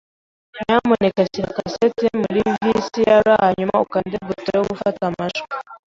Nyamuneka shyira cassette muri VCR hanyuma ukande buto yo gufata amajwi.